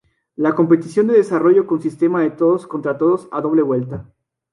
La competición de desarrolló con sistema de todos contra todos a doble vuelta.